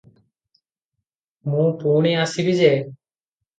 ମୁଁ ପୁଣି ଆସିବି ଯେ ।